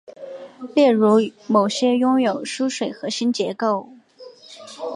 例如某些拥有疏水核心结构。